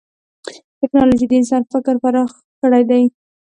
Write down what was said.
ټکنالوجي د انسان فکر پراخ کړی دی.